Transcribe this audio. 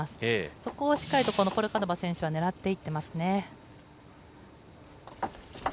そこをしっかりとこのポルカノバ選手は狙っていってますね。